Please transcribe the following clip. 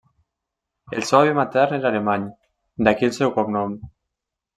El seu avi matern era alemany, d'aquí el seu cognom.